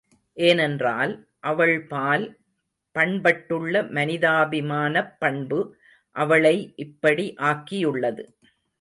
ஏனென்றால், அவள்பால் பண்பட்டுள்ள மனிதாபிமானப் பண்பு அவளை இப்படி ஆக்கியுள்ளது.